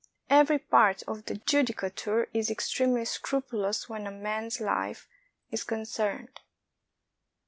Every part of the judicature is extremely scrupulous when a man's life is concerned.